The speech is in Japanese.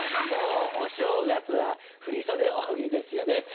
もうお正月は「振袖大喜利」ですよね。